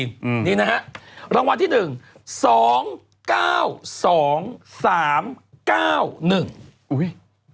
อืมนี่นะฮะรางวัลที่หนึ่งสองเก้าสองสามเก้าหนึ่งอุ้ย